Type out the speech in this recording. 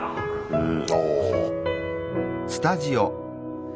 うん。